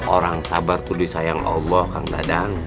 orang sabar tuh disayang allah kang dadang